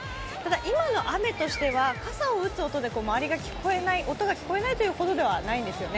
今の雨としては傘を打つ音で周りが聞こえない音が聞こえないというほどではないんですね。